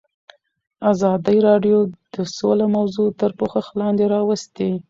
ازادي راډیو د سوله موضوع تر پوښښ لاندې راوستې.